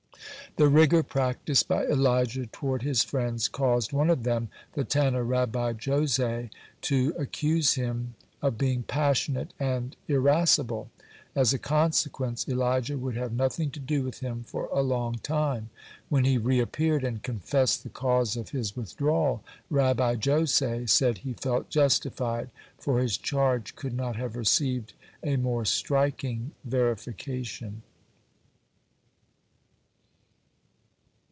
(73) The rigor practiced by Elijah toward his friends caused one of them, the Tanna Rabbi Jose, to accuse him of being passionate and irascible. As a consequence, Elijah would have nothing to do with him for a long time. When he reappeared, and confessed the cause of his withdrawal, Rabbi Jose said he felt justified, for his charge could not have received a more striking verification.